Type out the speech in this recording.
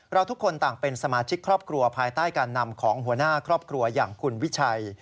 ทุกคนต่างเป็นสมาชิกครอบครัวภายใต้การนำของหัวหน้าครอบครัวอย่างคุณวิชัย